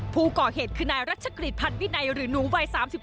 ผู้ก่อเหตุคือนายรัชกฤษพันธวินัยหรือหนูวัย๓๔